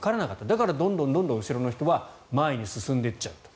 だから、どんどん後ろの人は前に進んでいっちゃうと。